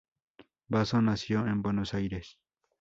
Basso nació en Buenos Aires.